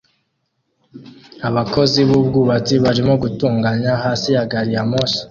Abakozi b'ubwubatsi barimo gutunganya hasi ya gari ya moshi